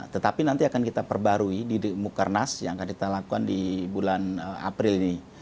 tetapi nanti akan kita perbarui di mukernas yang akan kita lakukan di bulan april ini